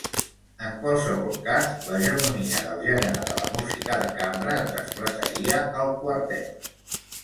En qualssevol cas, l'hegemonia del gènere de la música de cambra es desplaçaria al quartet.